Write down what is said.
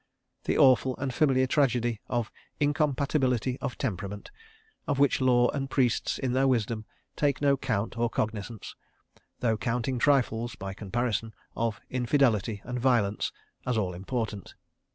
The awful and familiar tragedy of "incompatibility of temperament," of which law and priests in their wisdom take no count or cognizance, though counting trifles (by comparison) of infidelity and violence as all important.